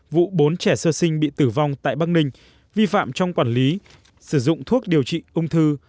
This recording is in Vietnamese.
vụ bốn trẻ sơ sinh bị tử vong tại bắc ninh vi phạm trong quản lý sử dụng thuốc điều trị ung thư